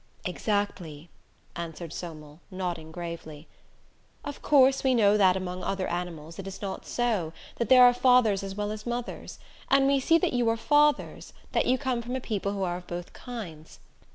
"Exactly," answered Somel, nodding gravely. "Of course we know that among other animals it is not so, that there are fathers as well as mothers; and we see that you are fathers, that you come from a people who are of both kinds.